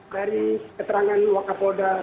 dari keterangan wakafoda